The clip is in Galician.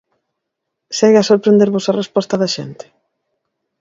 Segue a sorprendervos a resposta da xente?